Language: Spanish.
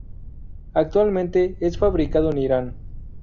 Actualmente, es fabricado en Irán